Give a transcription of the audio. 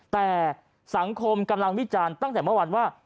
แต่สังคมกำลังวิจารณ์ตั้งแต่เมื่อวานว่า